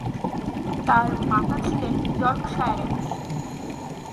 তার মাতা ছিলেন ইয়র্কশায়ারের মেয়ে।